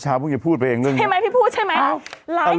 เช้าเพิ่งอย่าพูดไปเองใช่ไหมพี่พูดใช่ไหมอ้าวแล้ว